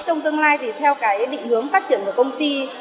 trong tương lai thì theo cái định hướng phát triển của công ty